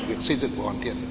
việc xây dựng và hoàn thiện